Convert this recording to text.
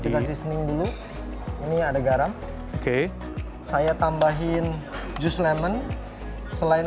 daging lobsternya saya tambahin jus lemon selain